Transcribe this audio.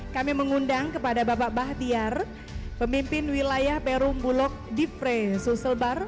kami mengundang kepada bapak bahtiar pemimpin wilayah perum bulog difre susebar